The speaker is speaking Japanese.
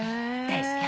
大好き。